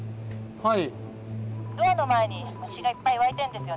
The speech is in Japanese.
はい。